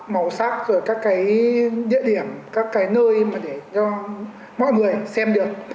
màu sắc rồi các cái địa điểm các cái nơi mà để cho mọi người xem được